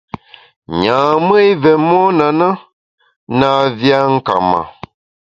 Nyam-ùe i vé mon a na, na vé a nka ma.